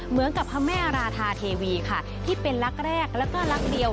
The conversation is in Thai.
เหมือนกับพระแม่ราธาเทวีค่ะที่เป็นรักแรกแล้วก็รักเดียว